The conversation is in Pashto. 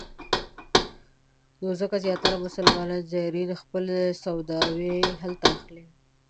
نو ځکه زیاتره مسلمان زایرین خپلې سوداوې هلته اخلي.